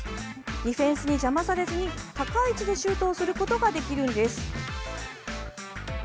ディフェンスに邪魔されずに高い位置でシュートをすることができるんです。